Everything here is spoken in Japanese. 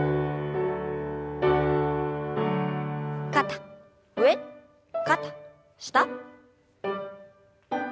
肩上肩下。